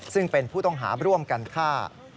ซึ่งเป็นผู้ต้องหาร่วมกันฆ่า